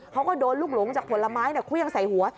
เขาก็โดนลูกหลงจากผลไม้เครื่องใส่หัว